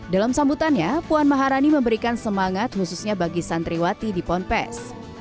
dalam sambutannya puan maharani memberikan semangat khususnya bagi santriwati di ponpes